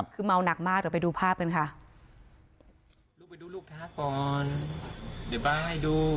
คือเมาหนักมากเดี๋ยวไปดูภาพกันค่ะ